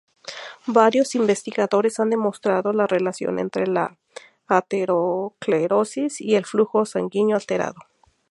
Varios investigadores han demostrado la relación entre la aterosclerosis y el flujo sanguíneo alterado.